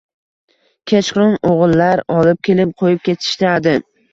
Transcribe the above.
Kechqurun o‘g‘illar olib kelib qo‘yib ketishadi